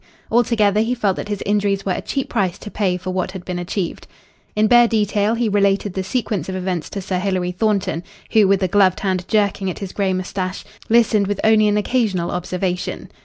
Altogether he felt that his injuries were a cheap price to pay for what had been achieved. In bare detail he related the sequence of events to Sir Hilary Thornton, who, with a gloved hand jerking at his grey moustache, listened with only an occasional observation.